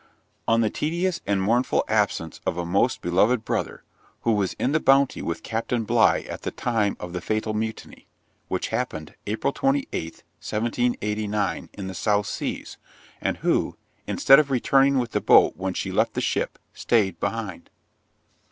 On the tedious and mournful Absence of a most beloved BROTHER, who was in the Bounty with Captain BLIGH at the Time of the FATAL MUTINY, which happened April 28th, 1789, in the South Seas, and who, instead of returning with the Boat when she left the Ship, stayed behind.